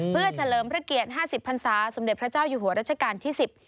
เพื่อเฉลิมพระเกียรติ๕๐พันศาสมเด็จพระเจ้าอยู่หัวรัชกาลที่๑๐